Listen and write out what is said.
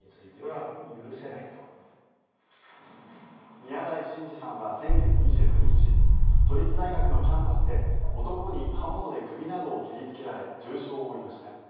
宮台真司さんは先月２９日都立大学のキャンパスで男に刃物で首などを切りつけられ重傷を負いました。